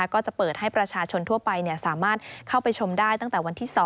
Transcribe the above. ก็จะเปิดให้ประชาชนทั่วไปสามารถเข้าไปชมได้ตั้งแต่วันที่๒